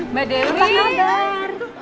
mbak dewi apa kabar